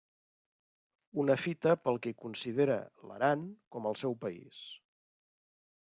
Una fita pel qui considera l'Aran com el seu País.